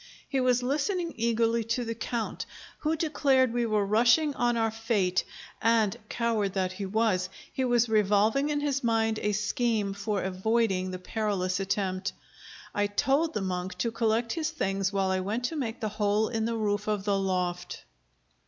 He was listening eagerly to the Count, who declared we were rushing on our fate; and, coward that he was, he was revolving in his mind a scheme for avoiding the perilous attempt. I told the monk to collect his things while I went to make the hole in the roof of the loft.